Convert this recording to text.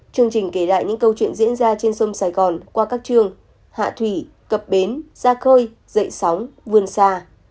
chương trình kể lại những câu chuyện diễn ra trên sông sài gòn qua các trường hạ thủy cập bến ra khơi dậy sóng vươn xa